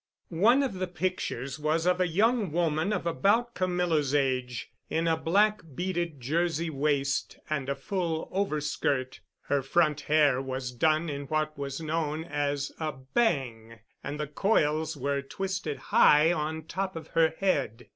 One of the pictures was of a young woman of about Camilla's age, in a black beaded Jersey waist and a full overskirt. Her front hair was done in what was known as a "bang," and the coils were twisted high on top of her head.